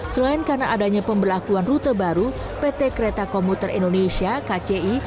selain karena adanya pembelakuan rute baru pt kereta komuter indonesia kci